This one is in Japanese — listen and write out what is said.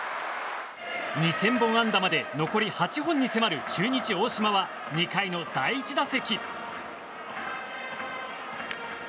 ２０００本安打まで残り８本に迫る中日、大島は２回の第１打席。